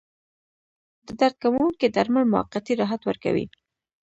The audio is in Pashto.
د درد کموونکي درمل موقتي راحت ورکوي.